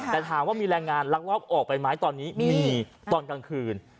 แต่ถามว่ามีแรงงานลักลอบออกไปไหมตอนนี้มีตอนกลางคืน